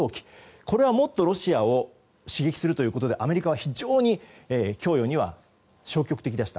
これはもっとロシアを刺激するということでアメリカは非常に供与には消極的でした。